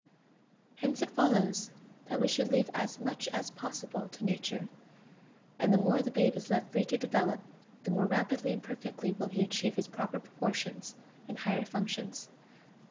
Hence it follows that we should leave as much as possible to Nature; and the more the babe is left free to develop, the more rapidly and perfectly will he achieve his proper proportions and higher functions.